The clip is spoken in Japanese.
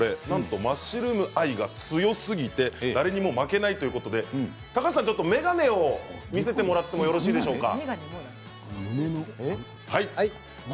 マッシュルーム愛が強すぎて誰にも負けないということで眼鏡を見せていただいてもよろしいでしょうか。